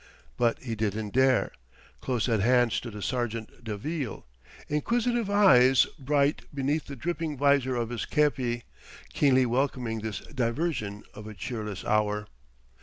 But he didn't dare: close at hand stood a sergent de ville, inquisitive eyes bright beneath the dripping visor of his kepi, keenly welcoming this diversion of a cheerless hour.